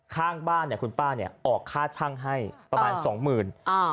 ข้างบ้านเนี่ยคุณป้าเนี่ยออกค่าช่างให้ประมาณสองหมื่นอ่า